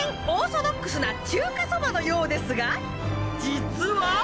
オーソドックスな中華そばのようですが実は。